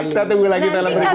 saya ujung ujung juga